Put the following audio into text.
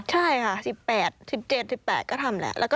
ใช่ค่ะ๑๗๑๘ปีก็ทำแล้ว